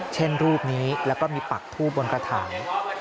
เช่นรูปนี้แล้วก็มีปักทูบบนกระถาง